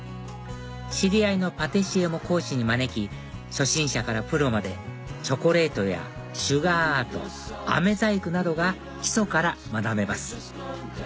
知り合いのパティシエも講師に招き初心者からプロまでチョコレートやシュガーアートあめ細工などが基礎から学べます